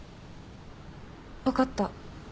分かった。